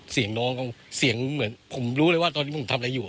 เสียงน้องก็เสียงเหมือนผมรู้เลยว่าตอนนี้ผมทำอะไรอยู่